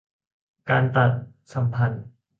การตัดสัมพันธ์